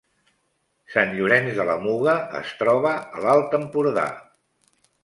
Sant Llorenç de la Muga es troba a l’Alt Empordà